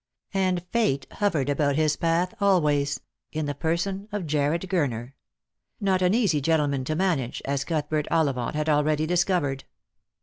And Fate hovered about his path always, in tho person of Jarred Gurner; not an easy gentleman to manage, as Cuthbert Ollivant had already discovered.